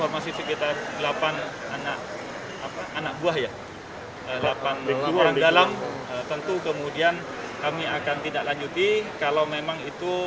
masih samsudin sudah datang